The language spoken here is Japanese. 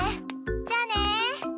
じゃあね！